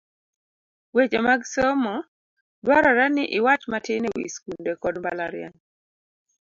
Weche mag Somo , dwarore ni iwach matin e wi skunde kod mbalariany